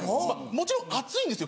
もちろん暑いんですよ